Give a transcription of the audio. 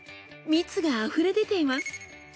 蜜があふれ出ています。